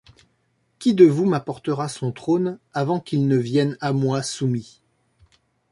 Qui de vous m’apportera son trône avant qu’ils ne viennent à moi soumis?